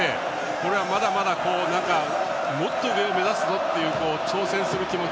これはまだまだもっと上を目指すぞという挑戦する気持ち